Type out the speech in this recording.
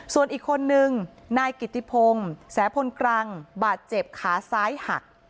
ส่วนอีกคนนึงนายกิติพงศ์แสพลกรังบาดเจ็บขาซ้ายหัก